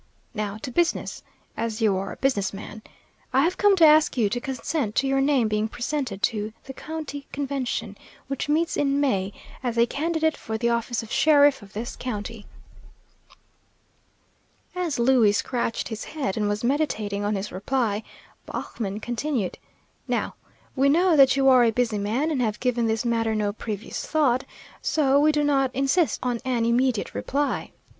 "Now to business, as you are a business man. I have come to ask you to consent to your name being presented to the county convention, which meets in May, as a candidate for the office of sheriff of this county." As Louie scratched his head and was meditating on his reply, Baughman continued: "Now, we know that you are a busy man, and have given this matter no previous thought, so we do not insist on an immediate reply.